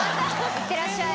いってらっしゃい。